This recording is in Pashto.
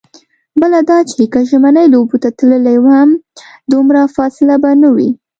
بله دا چې که ژمنیو لوبو ته تللې هم، دومره فاصله به نه وي.